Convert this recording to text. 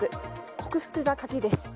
克服が鍵です。